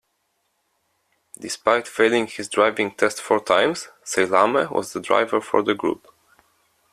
Despite failing his driving test four times, Salameh was the driver for the group.